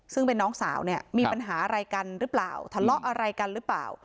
ซึ่งเป็นน้องสาวเนี่ยมีปัญหาอะไรกันหรือเปล่าทะเลาะอะไรกันหรือเปล่า